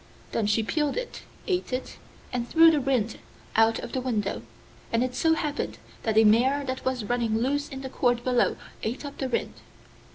Then she peeled it, ate it, and threw the rind out of the window, and it so happened that a mare that was running loose in the court below ate up the rind.